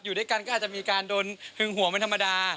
อยู่ด้วยกันก็อาจจะมีการโดนหึงห่วงเป็นธรรมดา